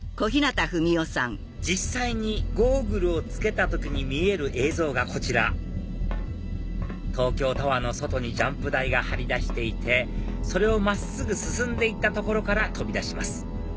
実際にゴーグルを着けた時に見える映像がこちら東京タワーの外にジャンプ台が張り出していてそれを真っすぐ進んで行った所から飛び出します